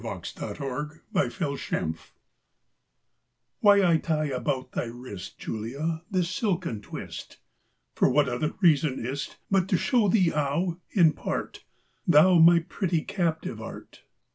83. THE BRACELET TO JULIA Why I tie about thy wrist, Julia, this my silken twist? For what other reason is't, But to shew thee how in part Thou my pretty captive art?